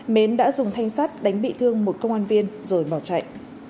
mến đã dùng thanh sắt đánh bị thương một công an viên rồi bỏ chạy